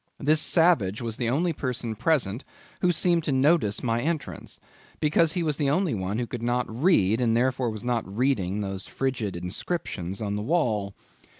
This savage was the only person present who seemed to notice my entrance; because he was the only one who could not read, and, therefore, was not reading those frigid inscriptions on the wall.